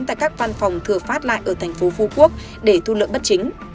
tại các văn phòng thừa phát lại ở tp phú quốc để thu lượng bất chính